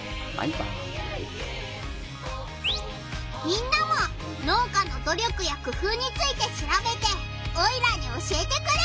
みんなも農家の努力やくふうについてしらべてオイラに教えてくれ！